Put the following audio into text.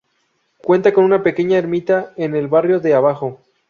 Cuenta con una pequeña ermita en el barrio de Abajo.